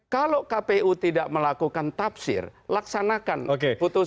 kalau kpu tidak melakukan tafsir laksanakan putusan